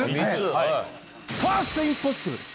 ファーストインポッシブル。